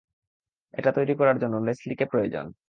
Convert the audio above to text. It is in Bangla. এটা তৈরী করার জন্য লেসলিকে প্রয়োজন।